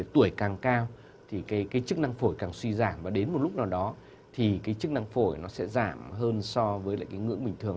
tuổi càng cao thì chức năng phổi càng suy giảm và đến một lúc nào đó thì chức năng phổi sẽ giảm hơn so với ngưỡng bình thường